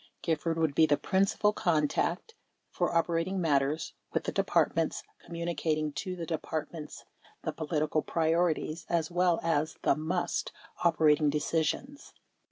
Gifford would be the principal contact for operating matters with the Departments, communicating to the Departments the political priorities as well as the "must" operating deci sions.